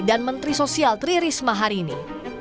dan menteri sosial tri risma harini